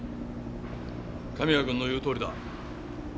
神谷君の言うとおりだ。